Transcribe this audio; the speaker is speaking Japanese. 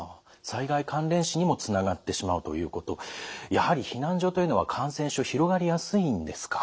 災害関連死にもつながってしまうということやはり避難所というのは感染症広がりやすいんですか。